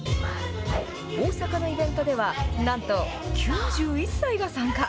大阪のイベントでは、なんと９１歳が参加。